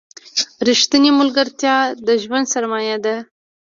رښتینې ملګرتیا د ژوند سرمایه ده.